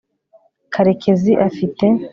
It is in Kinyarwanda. karekezi afite